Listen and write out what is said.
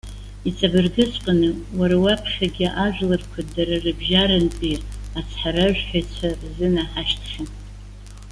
Иҵабыргыҵәҟьаны, уара уаԥхьагьы ажәларқәа дара рыбжьарантәи ацҳаражәҳәаҩцәа рзынаҳашьҭхьан.